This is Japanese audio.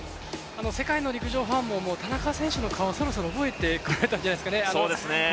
世界の陸上ファン、田中選手の顔、そろそろ覚えてくれたんじゃないですかね。